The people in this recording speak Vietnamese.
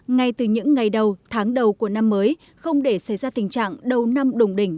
ngay từ những ngày đầu tháng đầu của năm mới không để xảy ra tình trạng đầu năm đủng đỉnh